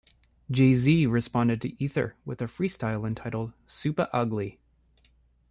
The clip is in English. Jay-Z responded to "Ether" with a freestyle entitled "Supa Ugly".